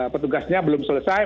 petugasnya belum selesai